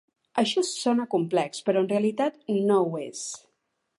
Això sona complex però en realitat no ho és.